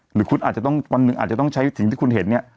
หรือคุณอาจจะต้องวันหนึ่งอาจจะต้องใช้สิ่งที่คุณเห็นเนี่ย